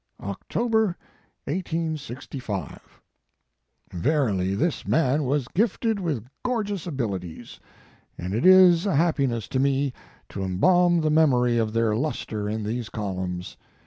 October, 1865, Verily this man was gifted with gorgis abilities/ and it is a happiness to me to embalm the memory of their lustre in these columns.